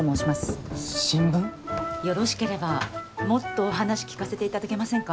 よろしければもっとお話聞かせていただけませんか？